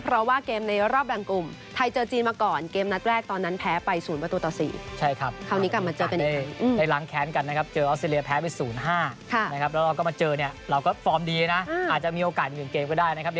เพราะว่าเกมในรอบรังกลุ่มไทยเจอจีนมาก่อน